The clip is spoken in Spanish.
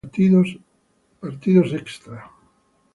Partidos extra